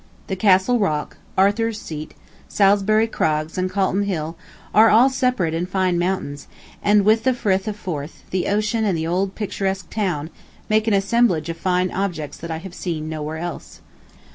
The Castle Rock, Arthur's Seat, Salisbury Craigs and Calton Hill are all separate and fine mountains and, with the Frith of Forth, the ocean and the old picturesque town, make an assemblage of fine objects that I have seen nowhere else.